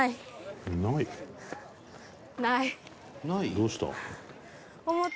「どうした？」